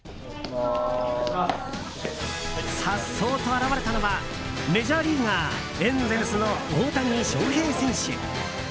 さっそうと現れたのはメジャーリーガーエンゼルスの大谷翔平選手。